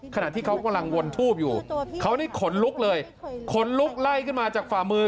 ขณะที่เขากำลังวนทูบอยู่เขานี่ขนลุกเลยขนลุกไล่ขึ้นมาจากฝ่ามือ